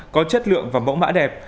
có chất lượng và mẫu mã đẹp